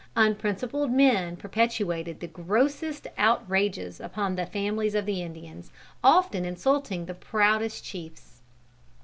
Unprincipled men perpetrated the grossest outrages upon the families of the Indians, often insulting the proudest chiefs.